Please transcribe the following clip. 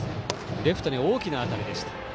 レフトに大きな当たりでした。